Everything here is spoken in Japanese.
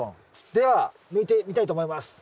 では抜いてみたいと思います。